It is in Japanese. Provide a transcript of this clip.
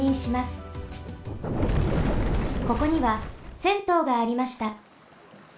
ここにはせんとうがありました。